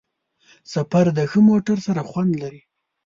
سفر د ښه موټر سره خوند لري.